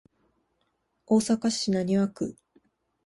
大阪市浪速区